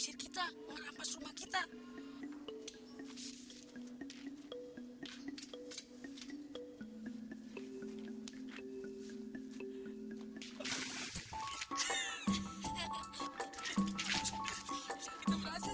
hingga sekarang aku masih menyimpan perasaan yang sama